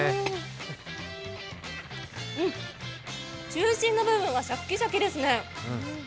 中心の部分がシャッキシャキですね。